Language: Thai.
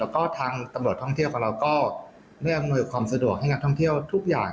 แล้วก็ทางตำรวจท่องเที่ยวของเราก็ได้อำนวยความสะดวกให้นักท่องเที่ยวทุกอย่าง